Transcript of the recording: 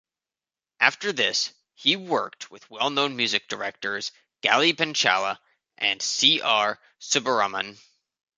After this, he worked with well-known music directors "Gali Penchala" and C. R. Subbaraman.